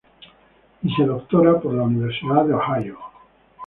Y se doctora en la Universidad de Ohio.